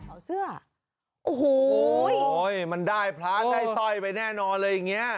โอ้โหมันได้พลาสให้ต่อยไปแน่นอนเลยอย่างเงี้ย